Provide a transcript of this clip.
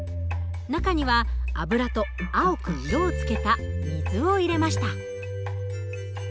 中には油と青く色をつけた水を入れました。